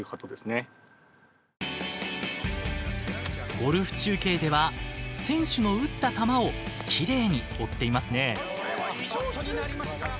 ゴルフ中継では選手の打った球をきれいに追っていますね。